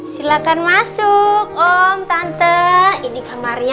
silakan masuk om tante ini kamarnya